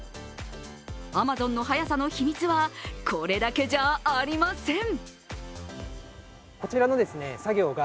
Ａｍａｚｏｎの早さの秘密はこれだけじゃありません。